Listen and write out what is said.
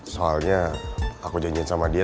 soalnya aku janjiin sama dia